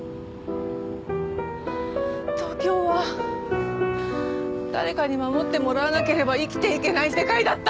東京は誰かに守ってもらわなければ生きていけない世界だった！